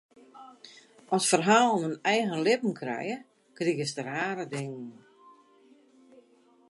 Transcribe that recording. As ferhalen in eigen libben krije, krigest rare dingen.